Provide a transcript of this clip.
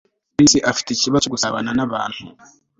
Chris afite ikibazo cyo gusabana nabantu